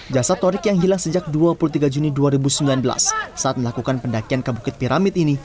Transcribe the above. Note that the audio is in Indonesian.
jasad torik yang hilang sejak dua puluh tiga juni dua ribu sembilan belas saat melakukan pendakian ke bukit piramid ini